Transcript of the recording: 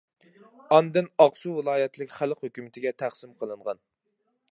ئاندىن ئاقسۇ ۋىلايەتلىك خەلق ھۆكۈمىتىگە تەقسىم قىلىنغان.